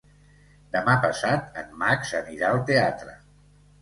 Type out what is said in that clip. Demà passat en Max anirà al teatre.